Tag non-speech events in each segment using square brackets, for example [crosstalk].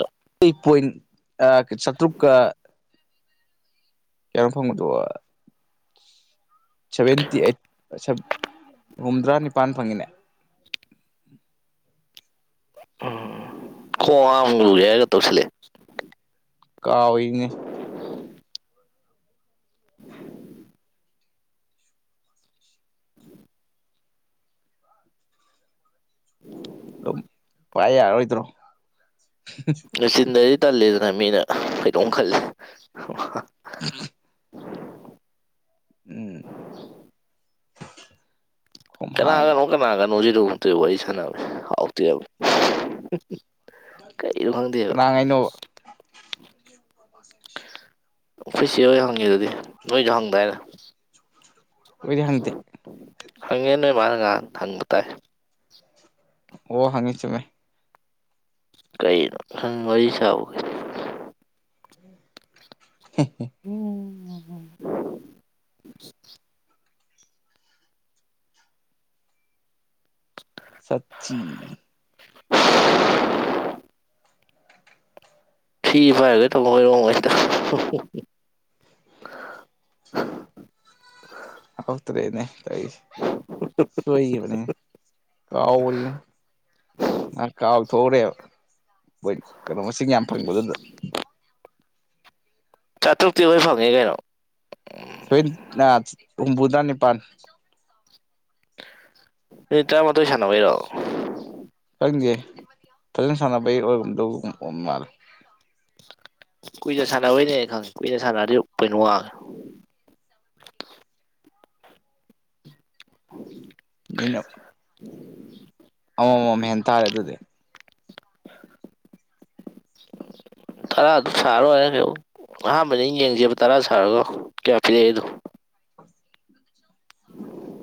ꯑ [unintelligible] ꯑꯩ ꯄꯣꯏꯟ ꯑꯩ ꯆꯥꯇ꯭ꯔꯨꯛ ꯀ ꯀꯌꯥꯅꫭ ꯐꯪꯕꯗꯣ ꯁꯚꯦꯟꯇꯤ ꯑꯩꯠ ꯍꯨꯝꯗ꯭ꯔꯥ ꯅꯤꯄꯥꯟ ꯐꯪꯉꯤꯅꯦ ꯎꯝ ꯈꯣꯡ ꯑ ꯑꯃ ꯂꯒꯦ ꯍꯥꯏꯔꯒ ꯇꯧꯁꯤꯜꯂꯛꯑꯦ ꯀꯥꯎ ꯏ ꯅꯤꯅꯦ ꯑꯗꯨꯝ ꯄꯥꯏ ꯌꯥꯔꯣꯏꯗ꯭ꯔꯣ ꯅꯨꯡꯆꯤꯟꯗꯗꯤ ꯇꯜꯜꯂꯤꯗꯅ ꯃꯤꯅ ꯈꯩꯗꯣꯝꯃ ꯈꯂꯦ ꯑ ꯎꯝ ꯈꯣꯝ ꯍꯥꯡꯕ ꯑꯅꯥꯒꯅꫭ ꯀꯅꯥꯒꯅꫭ ꯑꯖꯤꯇꯕꫭ ꯍꯥꯎꯇ‌ꯦꯕ ꯀꯩꯩꯅꫭꯈꯪꯗꯦꯕ ꯀꯅꯥꯉꯥꯏꯅꯣꯕ ꯑꯣꯐꯤꯁꯤꯁꯁꯤ ꯂꯣꯏ ꯍꯪꯉꯤ ꯑꯗꯨꯗꯤ ꯅꯣꯏꯁꯨ ꯍꯪꯗꯥꯏꯅ‌ꯦ ꯑꯣꯏꯔꯤꯍꯟꯗ ꯈꯪꯉꯦ ꯅꯣꯏꯃꯅ ꯉꯥꯏꯍꯥꯛ ꯍꯪꯕ ꯇꯥꯏ ꯑꯣ ꯍꯪꯉꯤ ꯆꯃꯦ ꯀꯩꯅꯣ ꯁꯪ ꯋꯥꯔꯤ ꯁꯥꯕꯒꯤ ꯎꯝ [unintelligible] ꯆꯠꯁꯤ ꯐꯤ ꯄꯥꯏꯔꯒꯩ ꯊꯧꯕꯃ ꯍꯣꯏꯔꯣꯡꯉꯩꯁꯤꯗ [unintelligible] ꯇꯔꯦꯅꯦ ꯀꯩ ꯁꫭꯏꯒꯤꯕꯅꯦ ꯀꯧꯒꯔꯦ ꯉ ꯀꯥꯎ ꯊꯣꯛꯎꯔꯦꯕꯣꯏ ꯀꯩꯅꯣ ꯃꯁꯤꯡ ꯌꯥꯝ ꯐꯪꯕꯗꯨꯗ ꯆꯥꯇ꯭ꯔꯨꯛꯇꯤ ꯂꫭꯏ ꯐꯪꯉꯦ ꯀꯩꯅꯣ ꯁꯣꯏꯕꯨꯗꯥꯅꯤ ꯄꯥꯟ ꯃꯤꯅꯤꯠ ꯇꯔꯥꯃꯥꯊꯣꯏ ꯁꯥꯟꯅꯕꯩꯔꯣ ꯈꯪꯗꯦ ꯐꯖꯅ ꯁꯥꯟꯅꯕꯩ ꯑꯣꯏꯔꯨꯝꯗꯧ ꯑꯣꯝ ꯃꯥꯜꯂꯦ ꯀꯨꯏꯅ ꯁꯥꯟꯅꯕꯩꯅꯦ ꯈꯪꯉꯦ ꯀꯨꯏꯅ ꯁꯥꯟꯅꯔꯗꯤ ꯄꫭꯏꯟ ꯋꯥꯡꯉꯦ [unintelligible] ꯃꯤꯅ [inaudible] ꯑꯃ ꯃꯝ ꯍꯦꯟ ꯇꯥꯔꯦ ꯑꯗꯨꯗꯤ ꯇꯔꯥ ꯑꯗꯨꯝ ꯁꯥꯔꯣꯏꯅ ꯀꯛ ꯑꯍꯥꯟꯕꯗ ꯌꯦꯡꯁꯦꯕ ꯇꯔꯥ ꯁꯥꯔꯒ ꯀꯌꯥ ꯄꯤꯔꯛꯏꯗꯣ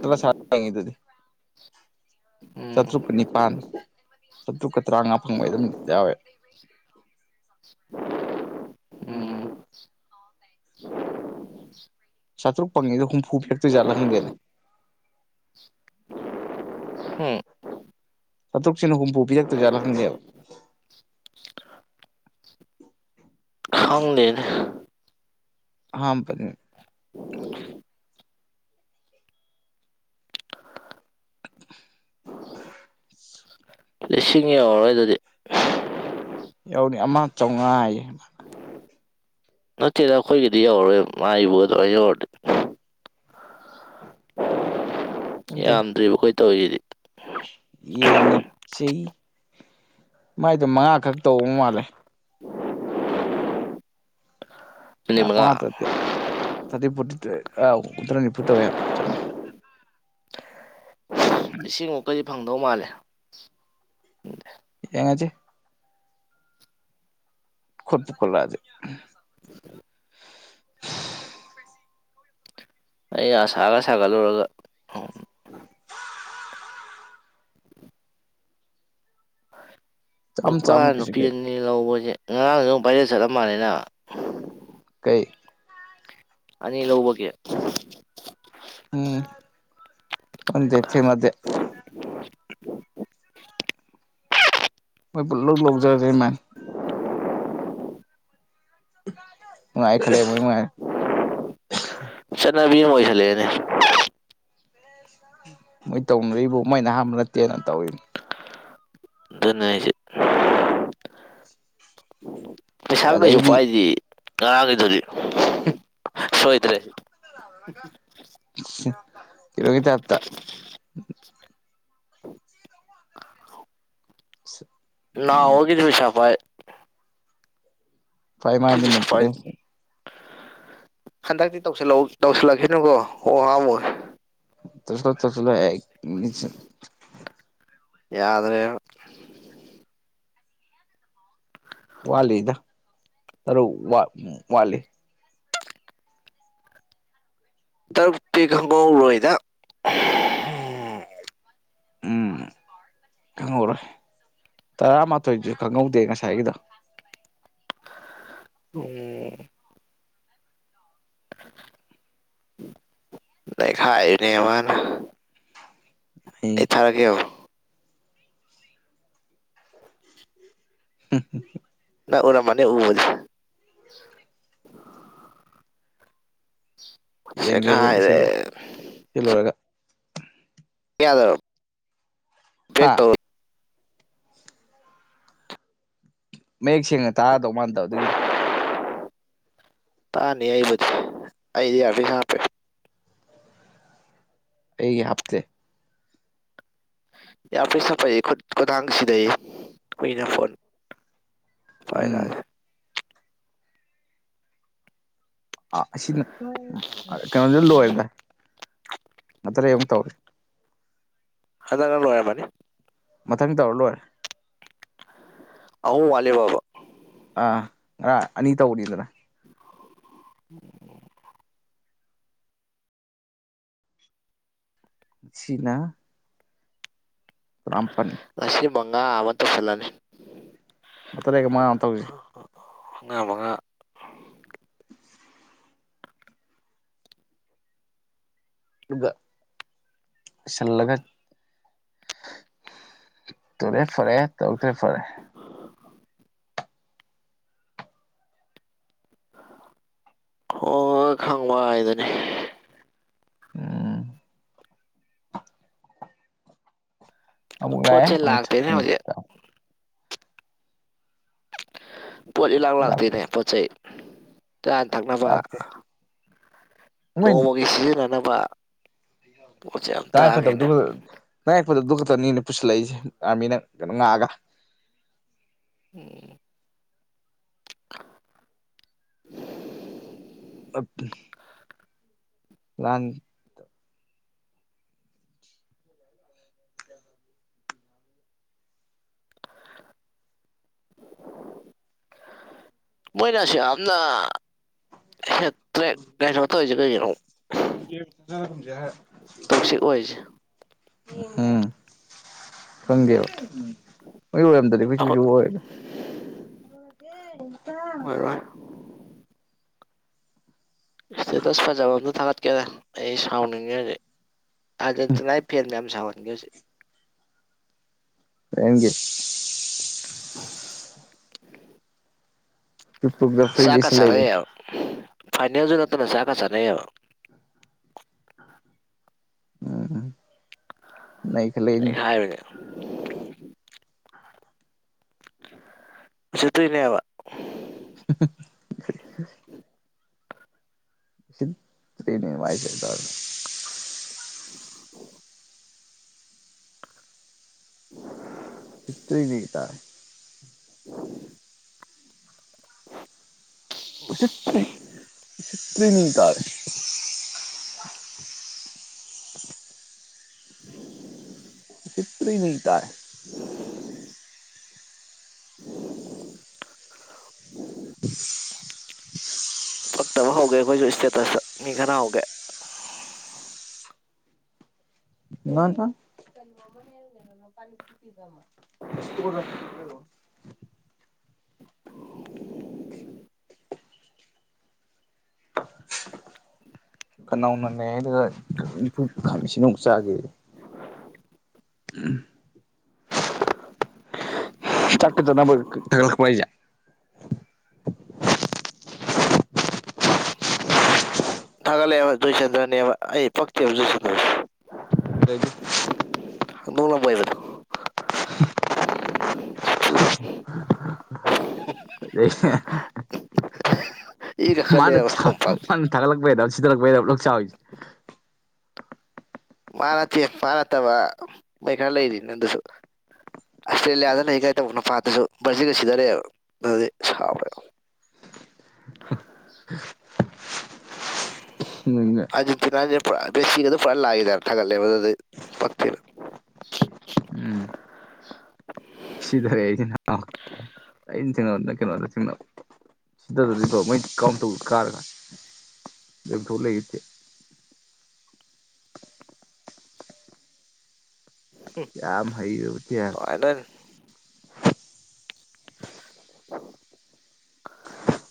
ꯇꯂ ꯁꯉꯗꯗꯤ ꯎꯝ ꯆꯥꯇ꯭ꯔꯨꯛꯀ ꯅꯤꯄꯥꯟ ꯆꯥꯇ꯭ꯔꯨꯛꯀ ꯇꯔꯥꯃꯉꯥ ꯐꯪꯕꯩ ꯑꯗꯨꯝ ꯌꯥꯎꯋꯦ [unintelligible] ꯎꯝ [inaudible] ꯆꯥ꯭ꯔꯨꯛ ꯐꯪꯉꯗ ꯍꯨꯝꯐꯨ ꯐꯦꯛꯇꯣꯏꯥꯠꯂ ꯍꯪꯗꯦꯅꯦ [inaudible] ꯍꯝ ꯆꯇꯨꯛꯁꯤ ꯍꯨꯝꯐꯨ ꯄꯤꯔꯛ ꯇꫭꯏꯖꯠꯂꯥ ꯈꯪꯗꯦꯕ ꯈꯪꯗꯦꯅꯦ ꯑꯍꯥꯟꯕꯅꯦ [unintelligible] ꯂꯤꯁꯤꯡ ꯌꯧꯔꯔꯣꯏ ꯑꯗꯨꯗꯤ ꯌꯥꯎꯅꯤ ꯑꯃ ꯆꯥꯝꯃꯉꯥ ꯅꯠꯇꯦꯗ ꯑꯩꯈꯣꯏꯒꯤꯗꯤ ꯌꯧꯔꯔꯣꯏ ꯃꯥꯏꯕꯨ ꯑꯗꯨꯃꯥꯏꯅ ꯌꯧꯔꯗꯤ ꯈꯪꯗꯦ ꯌꯥꯝꯗ꯭ꯔꯤꯕ ꯑꯩꯈꯣꯏ ꯇꯧꯔꯤꯁꯤꯗꯤ ꯌꯦꯡꯉꯁꯤ ꯃꯥꯏꯗ ꯃꯉꯥꯈꯛ ꯇꯧꯕ ꯃꯥꯜꯂꯦ [unintelligible] ꯃꯤꯅꯤꯠ ꯃꯉꯥ ꯃꯥꯉ ꯇ ꯇꯗꯤ ꯄꯨ ꯎꯗꯔꯅꯤ ꯄꯨꯛꯇ ꯆꯃꯦ ꯂꯤꯁꯤꯡꯃꯨꯛꯀꯗꯤ ꯐꯪꯗꯧ ꯃꯥꯜꯂꯦ ꯌꯦꯡꯉꯖꯦ ꯈꫭꯠꯄꯨ ꯈꫭꯠꯂꯛ ꯑꯗꯤ [inaudible] ꯑꯩꯅ ꯑꯁꯥꯒ ꯁꯥꯒꯠꯂꯨꯔꯒ ꯆꯥꯝ ꯅꯨꯄꯥ ꯆꯥꯝꯃ ꯀꯩꯁꯨ ꯅꯨꯄꯤ ꯀꯩ ꯑꯅꯤ ꯂꯧꯕꯁꯦ ꯉꯔꯥꯡꯗ ꯚꯥꯏꯔꯦꯜ ꯆꯠꯂꯝ ꯃꯥꯜꯅꯤꯅ ꯀꯩ ꯑꯅꯤ ꯂꯧꯕꯒꯦ ꯎꯝ ꯈꯪꯗꯦ ꯊꯦꯡꯅꯗꯦ ꯃꯣꯏ ꯄꯨꯂꯧ ꯂꯧꯖꯔ ꯖꯅꯤ ꯃꯥꯏ ꯃꯅꯨꯡꯉꯥꯏ ꯈꯂꯦ ꯃꯣꯏꯅꯨꯡꯉꯥꯏ ꯆꯠꯅꯕꯤ ꯑꯃ ꯑꯣꯏꯁꯜꯂꯛꯑꯦꯅꯦ ꯎꯝ ꯃꯣꯏ ꯇꯧꯅꯔꯤꯕꯕꯕꯨ ꯃꯣꯏ ꯑꯍꯥꯟꯕ ꯅꯠꯇꯦꯅ ꯇꯧꯏ ꯑꯗꯨꯣꯅꯦ ꯄꯩꯁꯥꯒ ꯀꯩꯁꯨ ꯑꯗꯩꯗꯤ ꯄꯥꯏꯗꯤ ꯀꯒꯗꯗꯤ ꯁꯣꯣꯏꯗ꯭ꯔꯦ ꯀꯔꯣꯒꯤꯗ ꯍꯥꯞ ꯁ ꯅꯅꯥ ꯍꯣꯗ꯭ꯤ ꯆꯥꯄ ꯐꯥꯏ ꯁꯤ ꯃꯥꯥꯏꯅꯤ ꯄꯩꯁꯥ ꯄꯥꯏ ꯃꯠꯇꯦ ꯍꯟꯗꯛꯇꯤ ꯇꯧꯁꯤꯜꯂ ꯇꯧꯁꯤꯜꯂꯛꯁꯤꯅꯨꯀꯣ ꯑꯣ ꯍꯥꯥꯡꯃꯣ ꯇꯁ ꯊꯁꯂ ꯌꯥꯗ꯭ꯔꯦ ꯋꯥꯂꯤꯗ ꯇꯔꯣ ꯋꯥ ꯎ ꯋꯥꯂꯤ ꯇꯔꯨꯛ ꯄꯤ ꯈꯪꯕꯧꯔꯣꯏꯗ ꯎꯝ ꯈꯪꯍꯧꯔꯣꯏ ꯇꯔꯥꯃꯥꯊꯣꯏꯁꯨ ꯈꯪꯍꯧꯗꯦ ꯉꯁꯥꯏꯒꯤꯗꯣ ꯎꯝ ꯅ ꯈꯥꯏꯅꯦ ꯃꯥꯅ ꯑꯩ ꯐꯔꯥꯒꯦꯦꯜ ꯎꯝ ꯍ ꯅ ꯑꯣꯔ ꯃꯅꯤ ꯎꯁ ꯌꯦꯡꯒꯦ ꯌꯦꯡꯒꯦ ꯆꯦꯈꯥꯏꯔꯦ ꯁꯤꯜꯂꯣꯔ ꯁꯤꯜꯂꯨꯔꯒ ꯀ ꯌꯥꯗ꯭ꯔ ꯍꯥ ꯕꯦꯛ ꯇꯧꯔ ꯃꯌꯦꯛ ꯁꯦꯡꯅ ꯇꯥꯔꯗꯧ ꯃꯥꯟꯗꯕ ꯑꯗꯨꯒꯤꯅꯤ ꯇꯥꯅꯤ ꯑꯩꯕꯨꯗꯤ ꯑꯩꯗꯤ ꯌꯥꯔꯗꯤ ꯍꯥꯞꯄꯦ ꯑꯩꯒꯤ ꯍꯥꯞꯦ ꯌꯥꯝ ꯄꯩꯁ ꯐꯩ ꯈꯨꯗꯥꯥꯡꯁꯤꯗꯩ ꯀꯨꯏꯅ ꯐꯣꯟ ꯎꯝ ꯐꯚꯥꯏꯔꯖ ꯑ ꯑꯁꯤꯅ ꯀꯩꯅꯣꯗꯨ ꯂꯣꯏꯔꯦꯗ ꯅꯠꯇ꯭ꯔꯦ ꯑꯃꯨꯛ ꯇꯧꯔꯤ ꯍꯗꯥꯡ ꯑꯣꯏ ꯃꯥꯅꯤ ꯃꯊꯪ ꯇꯧꯔ ꯂꯣꯏꯔꯦ ꯑꯍꯨꯝ ꯋꯥꯠꯂꯤꯕꯕꯥ ꯑꯥ ꯉꯔꯥ ꯑꯅꯤ ꯇꯧꯕꯅꯤꯗꯅ ꯎꯝ ꯁꯤꯠꯅꯥ ꯇꯔꯥꯝꯄꯟ ꯑꯁꯤ ꯃꯉꯥ ꯑꯃ ꯇꯧꯁꯜꯂꯅꯤ ꯉꯥꯇ ꯂꯩꯒ ꯃꯉꯥ ꯑꯃꯨ ꯇꯧꯖꯤ ꯑꯑꯑ ꯐꯨꯅ ꯃꯡꯉꯥ ꯑꯗꯨꯒ ꯁꯜꯂꯒꯠ ꯇꯧꯔꯦ ꯐꯔꯦ ꯇꯧꯗ꯭ꯔꯦ ꯐꯔꯦ ꯍꯣꯏ ꯈꯪꯕ ꯍꯥꯏꯗꯅꯦ ꯎꯝ ꯑꯃꯨꯛ ꯂꯑ ꯄꯣꯠꯁꯦ ꯑꯃꯨꯛ ꯆꯠꯀꯤ ꯂꯥꯛꯇꯦꯅꯦ ꯅ ꯍꯧꯖꯤꯛ ꯊꯥ ꯄꯣꯠ ꯂꯤꯂꯥꯡ ꯂꯥꯛꯇꯦ ꯂꯥꯛꯇꯦꯅꯦ ꯄꯣꯠ ꯆꯩꯩ ꯆꯥꯅ ꯊꯛꯅꯕ ꯂꯥꯛꯇꯦ ꯃꯣꯏ ꯅꯣꯡꯃꯒꯤ ꯁꯤꯖꯤꯟꯅꯅꯕ ꯄꯣꯠꯁꯦ ꯌꯥꯝ ꯇꯔꯥꯏ ꯐꯠꯇꯕꯗꯨ ꯇꯥꯡꯉꯦꯅꯦ ꯈ ꯅꯥꯔꯛꯄꯗꯗꯨ ꯈꯛꯇꯅꯦꯅ ꯄꯨꯁꯤꯜꯂꯛꯏꯁꯦ ꯑꯥꯔꯃꯤꯅ ꯀꯩꯅꯣ ꯉꯥꯛꯑꯒ ꯎꯝ ꯑꯞ ꯂꯥꯟ ꯃꯣꯏꯅꯁꯤ ꯑꯝꯅ ꯑꯦꯠꯇ ꯀꯩꯅ ꯇꯖ ꯀꯣ ꯇꯤꯞ ꯗꯥꯔꯣ ꯖꯍ ꯑꯣꯏꯔꯤꯁꯦ ꯎꯝ ꯈꯪꯗꯦꯕ ꯑꯣꯏ ꯂꯣꯏꯔꯝꯗꯗꯤ ꯑꯈꯣꯏꯖꯨ ꯑꯩꯈꯣꯏ ꯀꯩꯁꯨ ꯑꯣꯏꯔꯗ ꯑꯣꯏꯔꯣꯏ ꯏꯁꯇꯦꯇꯁ ꯐꯖꯕ ꯑꯝꯇ ꯊꯥꯒꯠꯀꯦꯅ ꯑꯩ ꯁꯥꯎꯅꯤꯡꯉꯦ ꯍꯣꯖꯤ ꯑꯗꯖꯦꯇꯤꯅꯥꯏ ꯐꯦꯟ ꯃꯌꯥꯝ ꯁꯥꯥꯎꯍꯟꯒꯦ ꯍꯣꯖꯤꯛ ꯗꯌꯦꯟꯒꯦ ꯄꯤꯛꯄꯗ ꯐ꯭ꯔꯤ ꯆꯥꯛꯀ ꯂꯩꯁꯟ ꯆꯅꯩ ꯂꯩꯕꯅꯤ ꯌꯕ ꯐꯥꯏꯅꯦꯜꯖꯨ ꯅꯠꯇꯅ ꯆꯥꯛꯀꯥ ꯆꯥꯅꯩꯌꯦꯕ ꯎꯝ ꯎꯝ ꯅ ꯈꯜꯂꯛꯏꯅꯤ ꯂꯩ ꯍꯥꯏꯔꯨꯔꯦ ꯎꯁꯤꯠꯇ꯭ꯔꯤꯅꯦꯕ ꯍꯍꯨꯝ ꯍꯤꯟ ꯇꯔꯤꯅꯦ ꯃꯥꯏꯖꯦ ꯇꯔꯤꯅꯤ ꯇꯥꯏ [unintelligible] ꯎꯁꯤꯠꯇ꯭ꯔꯤ ꯎꯁꯤꯠꯇꯔꯤꯅꯤ ꯇꯔꯦ [unintelligible] ꯎꯁꯤꯇ꯭ꯔꯤꯅꯤ ꯇꯥꯏ [unintelligible] ꯎ [unintelligible] [unintelligible] ꯄꯛꯇꯕ ꯍꯧꯒꯦ ꯑꯈꯣꯏꯖꯨ ꯏꯁꯇꯦꯇꯁꯇ ꯃꯤ ꯈꯟꯅ ꯍꯧꯒꯦ ꯉꯥꯟꯐ ꯑꯁ ꯇꯣꯑꯣꯗ ꯈꯅꯧ ꯅꯟꯅꯦ ꯍꯥꯏꯗꯨꯗ ꯈꯅꯤꯟꯄꯨꯞ ꯈꯥꯃꯦ ꯏꯁꯤꯡ ꯑꯃꯨꯛ ꯆꯥꯒꯦ ꯎꯝ [unintelligible] ꯊꯤꯗꯥꯛ ꯄꯤꯗꯅꯕ ꯈ ꯊꯒꯂꯛꯄ ꯍꯥꯏꯖꯦ ꯊꯒꯂꯑꯦꯕ ꯖꯣꯏꯆꯟꯗꯔꯅꯦꯕ ꯑꯩ ꯄꯛꯇꯦꯕ ꯖꯣꯏꯆꯟꯗ꯭ꯔꯁ ꯂꯩ [unintelligible] ꯗꯣꯡꯂꯝꯕꯣꯏꯕꯗꯣ ꯏꯒ ꯃꯥꯅ ꯈꯠꯂꯛꯑꯦꯕ ꯆ ꯅꯣꯡꯄꯥꯛ ꯊꯥꯠꯂꯛꯄꯩꯗ ꯁꯤꯗꯠꯂꯛꯄꯩꯕ ꯅꯡ ꯆꯥꯎꯔꯤ ꯃꯥꯅꯠꯇꯦ ꯃꯥꯅꯠꯇꯕ ꯃꯣꯏ ꯈꯔ ꯂꯩꯔꯤ ꯑꯗꯨꯁꯨ ꯑꯁꯇ꯭ꯔꯦꯂꯤꯌꯥꯗꯅ ꯑꯩ ꯀꯥꯏ ꯇꯧꯕꯅꯄꯥꯥꯠꯇꯁꯨ ꯕꯔꯖꯤꯒ ꯁꯤꯗꯔꯛꯦꯕ ꯑꯗꯨꯗꯤ ꯁꯥꯎꯔꯦꯕ ꯁꯤꯅꯅꯦ ꯑꯔꯖꯦꯟꯇꯤꯅꯖꯦ ꯄꯨꯔꯥ ꯕꯦꯁꯤꯒ ꯑꯗꯨ ꯄꯨꯔꯥ ꯂꯥꯛꯑꯦꯗꯅ ꯊꯥꯒꯠꯂꯦꯕ ꯑꯗꯨꯗꯤ ꯄꯛꯇꯦꯕ ꯁꯤꯗꯔꯦ ꯑꯩꯁꯤ ꯑꯩꯅ ꯊꯦꯡꯅꯕꯗꯅ ꯀꯩꯅꯣꯗ ꯊꯤꯡꯅꯕ ꯁꯤꯗꯗꯤꯀꯣ ꯃꯣꯏ ꯀꯥꯎꯟ ꯇꯧ ꯀꯥꯔꯒ ꯌꯊꯣꯛ ꯂꯩꯈꯤꯇꯦ [inaudible] ꯌꯥꯝ ꯍꯩꯔꯕ [unintelligible] ꯄꯥꯏꯗꯟ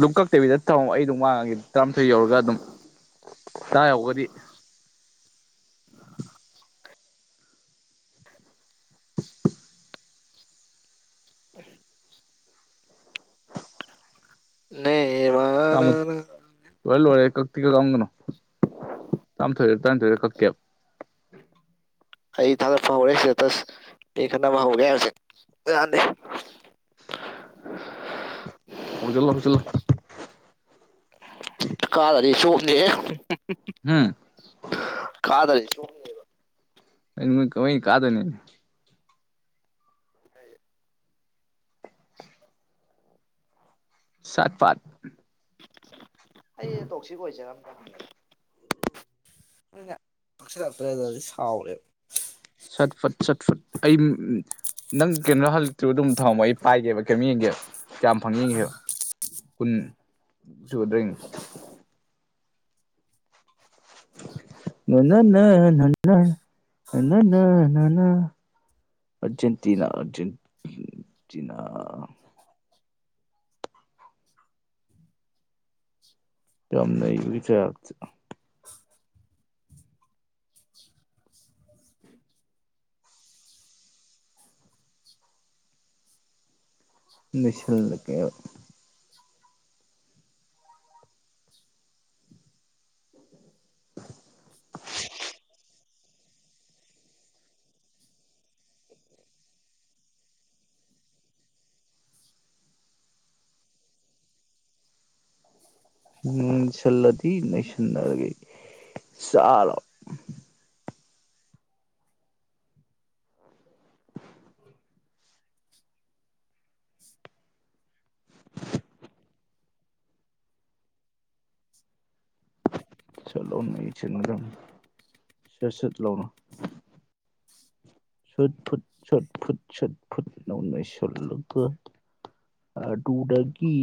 ꯂꯨ ꯀꯛꯇꯕꯤꯗ ꯊꯝꯃꯣ ꯑꯩ ꯑꯗꯨꯝ ꯋꯥꯡꯒꯦ ꯇꯔꯥꯃꯥꯊꯣꯏ ꯌꯧꯔꯒ ꯑꯗꯨꯝ ꯇꯥ ꯌꯧꯒꯗꯤ [inaudible] ꯅꯦꯃ ꯇꯃꯨꯠ ꯂꯣꯏ ꯂꯣꯏꯔꯦ ꯀꯛ ꯇꯤꯀ ꯀꯛꯑꯝꯒꯅꯨ ꯇꯔꯥꯝꯊꯣꯏꯔ ꯇꯥꯏꯟꯊꯣꯏꯔ ꯀꯛꯀꯦꯕ ꯑꯩ ꯊꯥꯒꯠꯄ ꯍꯧꯔꯦ ꯏꯁꯇꯦꯇꯁ ꯃꯤ ꯈꯠꯅꯕ ꯍꯧꯔꯦ ꯍꯧꯖꯤꯛ ꯌꯥꯟꯗꯦ ꯍꯧꯖꯜꯂꯣ ꯍꯧꯖꯜꯂꯣ ꯀꯥꯒꯗꯤ ꯆꯣꯞꯅꯤꯍꯦ ꯎꯝ ꯀꯥꯗꯗꯤ ꯆꯣꯞ ꯀꯩꯅꯣ [unintelligible] ꯀꯥꯗꯣꯏꯅꯣ ꯁꯠ ꯐꯠ ꯑꯩ ꯇꯣꯛꯁꯤꯛ ꯑꯣꯏꯖꯔꯝꯅꯦ [inaudible] ꯅꯣꯏꯅ ꯀꯛꯁꯤꯜꯂꯛꯇ꯭ꯔꯦꯗꯗꯤ ꯁꯥꯎꯔꯦꯕ ꯁꯠ ꯐꯠ ꯁꯠ ꯐꯠ ꯑꯩ ꯅꯪ ꯀꯩꯅꯣ ꯍꯜꯂꯛꯇꯔꯤꯕꯨ ꯑꯗꯨꯝ ꯊꯝꯃꯣ ꯑꯩ ꯄꯥꯏꯒꯦꯕ ꯀꯩꯝꯣꯛ ꯌꯦꯡꯒꯦꯕ ꯀꯌꯥꯝ ꯐꯪꯉꯤ ꯌꯦꯉꯤꯕ ꯀꯨꯟ ꯁꯨꯗꯣꯏꯅꯤ ꯅꯅꯅ ꯅꯅ ꯅꯅ ꯅꯅ ꯑꯔꯖꯦꯟꯇꯤꯅꯥ ꯑꯔꯖꯦꯟꯇꯤꯅꯥ ꯌꯥꯝꯅꯩꯕꯒꯤ ꯇꯥꯏꯞꯇ ꯅꯩꯁꯜꯂꯛꯀꯦ ꯎꯝ ꯁꯜꯂꯗꯤ ꯅꯩꯁꯟꯅꯔꯒꯦ ꯆꯔꯥ ꯆꯂꯣ [unintelligible] ꯁꯠ ꯆꯠ ꯂꯧꯔꯣ ꯁꯠ ꯐꯨꯠ ꯁꯠ ꯐꯨꯠ ꯁꯠ ꯐꯨꯠ ꯅ ꯅꯩꯁꯜꯂꯒ ꯑꯗꯨꯗꯒꯤ